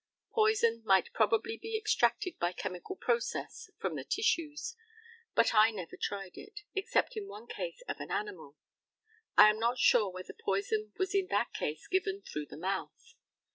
Poison might probably be extracted by chemical process from the tissues, but I never tried it, except in one case of an animal. I am not sure whether poison was in that case given through the mouth.